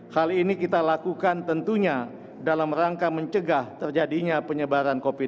hal ini kita lakukan tentunya dalam rangka mencegah terjadinya penyebaran covid sembilan belas